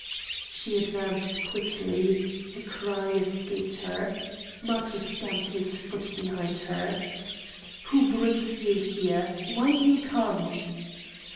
She advanced quickly. A cry escaped her. Matho stamped his foot behind her. "Who brings you here? why do you come?"